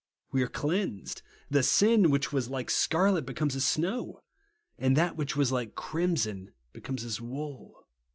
We are cleansed ! The sin which was like scarlet becomes as snow ; and that which was like crimson becomes as wool.